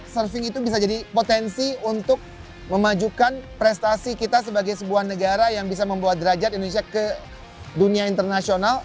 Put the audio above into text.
surfing itu bisa jadi potensi untuk memajukan prestasi kita sebagai sebuah negara yang bisa membuat derajat indonesia ke dunia internasional